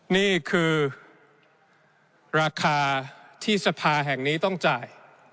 นี่คือราคาที่สภาแห่งนี้ต้องจ่าย